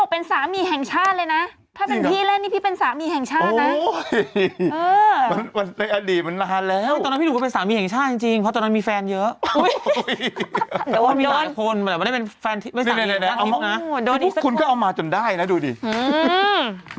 พี่ชอตติดต่อคือเมื่อก่อนแหละใช่ไหม